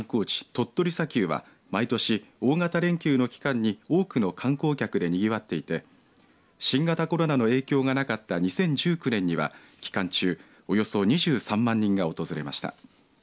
鳥取砂丘は毎年大型連休の期間に多くの観光客でにぎわっていて新型コロナの影響がなかった２０１９年には期間中およそ２３万人が訪れました。